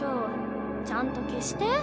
ちゃんと消して。